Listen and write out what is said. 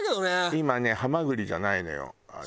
今ねハマグリじゃないのよ。